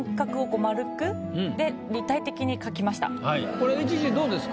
これＨＧどうですか？